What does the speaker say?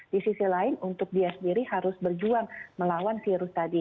di sisi lain untuk dia sendiri harus berjuang melawan virus tadi